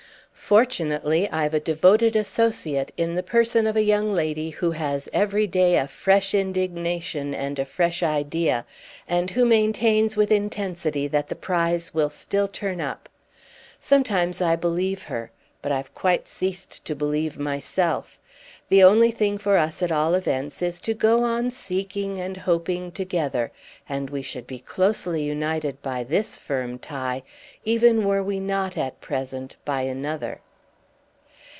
Fortunately I've a devoted associate in the person of a young lady who has every day a fresh indignation and a fresh idea, and who maintains with intensity that the prize will still turn up. Sometimes I believe her, but I've quite ceased to believe myself. The only thing for us at all events is to go on seeking and hoping together; and we should be closely united by this firm tie even were we not at present by another.